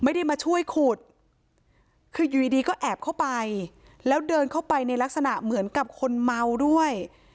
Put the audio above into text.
ไม่ได้มาช่วยขุดคืออยู่ดีดีก็แอบเข้าไปแล้วเดินเข้าไปในลักษณะเหมือนกับคนเมาด้วย